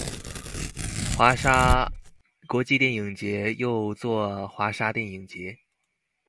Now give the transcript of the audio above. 华沙国际电影节又作华沙电影节。